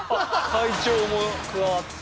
会長も加わって？